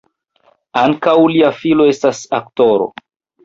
Ankaŭ lia filo estas aktoro.